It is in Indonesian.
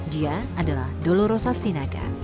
dia adalah dolorosa sinaga